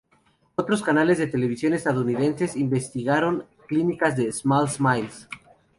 Otros canales de televisión estadounidenses investigaron clínicas de Small Smiles.